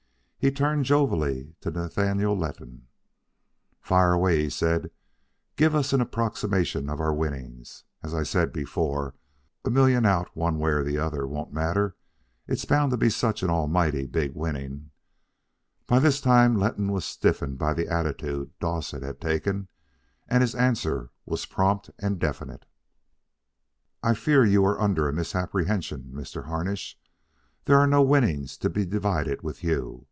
He turned jovially to Nathaniel Letton. "Fire away," he said. "Give us an approximation of our winning. As I said before, a million out one way or the other won't matter, it's bound to be such an almighty big winning." By this time Letton was stiffened by the attitude Dowsett had taken, and his answer was prompt and definite. "I fear you are under a misapprehension, Mr. Harnish. There are no winnings to be divided with you.